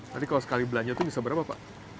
tapi kalau sekali belanja itu bisa berapa pak